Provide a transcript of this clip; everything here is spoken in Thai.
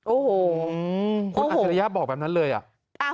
โอ้โหคุณอัจฉริยะบอกแบบนั้นเลยอ่ะ